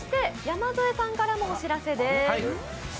山添さんからもお知らせです。